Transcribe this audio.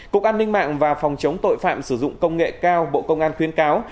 cục an ninh mạng và phòng chống tội phạm sử dụng công nghệ cao bộ công an khuyến cáo